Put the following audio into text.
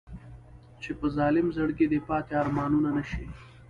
چې په ظالم زړګي دې پاتې ارمانونه نه شي.